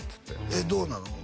えっどうなの？